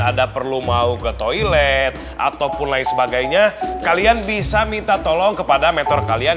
ada perlu mau ke toilet ataupun lain sebagainya kalian bisa minta tolong kepada meter kalian